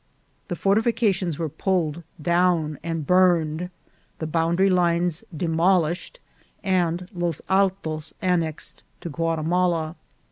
The fortifica tions were pulled down and burned, the boundary lines demolished, and Los Altos annexed to Guatimala.